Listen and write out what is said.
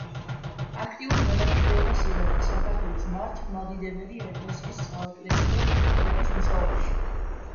აქტიურ მონაწილეობას იღებდა საქართველოს მართლმადიდებელი ეკლესიის საეკლესიო კრების მუშაობაში.